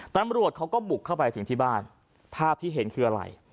ตำรวจเขาก็บุกเข้าไปถึงที่บ้านภาพที่เห็นคืออะไร